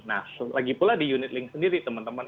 nah lagi pula di unitlink sendiri teman teman